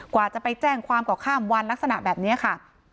กว่าจะไปแจ้งความก็ข้ามวันลักษณะแบบนี้ค่ะ